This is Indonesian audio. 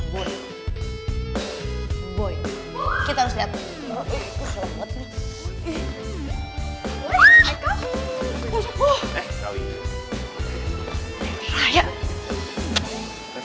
boleh kita lihat